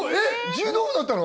柔道部だったの？